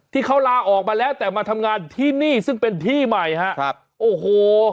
ที่เขาลาออกมาแล้วแต่มาทำงานที่นี่ซึ่งเป็นที่ใหม่ฮะครับโอ้โห